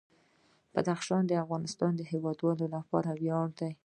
بدخشان د افغانستان د هیوادوالو لپاره ویاړ دی.